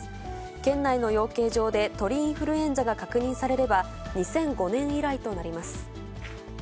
県内の養鶏場で鳥インフルエンザが確認されれば、２００５年以来となります。